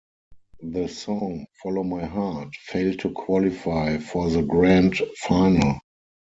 The song, "Follow My Heart", failed to qualify for the grand final.